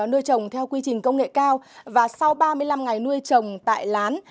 nuôi trồng theo quy trình công nghệ cao và sau ba mươi năm ngày nuôi trồng tại lán